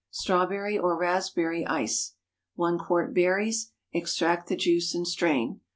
STRAWBERRY OR RASPBERRY ICE. 1 quart berries. Extract the juice and strain.